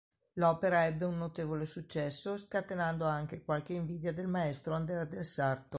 L'opera ebbe un notevole successo, scatenando anche qualche invidia del maestro Andrea del Sarto.